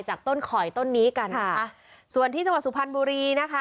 ต้นข่อยต้นนี้กันนะคะส่วนที่จังหวัดสุพรรณบุรีนะคะ